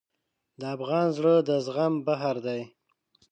د افغان زړه د زغم بحر دی.